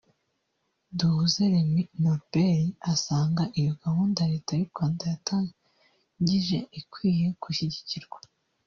Duhuze Remy Norbert asanga iyo gahunda Leta y’u Rwanda yatangije ikwiye gushyigikirwa